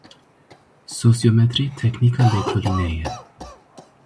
Sosyometrî teknîka lêkolînê ye.